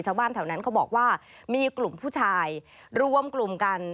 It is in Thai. ชาวบ้านแถวนั้นเขาบอกว่ามีกลุ่มผู้ชายรวมกลุ่มกัน